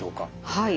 はい。